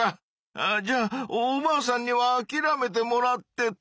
あじゃあおばあさんにはあきらめてもらってと。